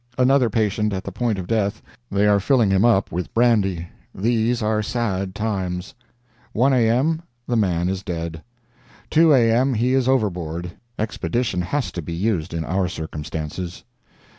—Another patient at the point of death—they are filling him up with brandy. These are sad times." "1 A.M.—The man is dead." "2 A.M. He is overboard. Expedition has to be used in our circumstances."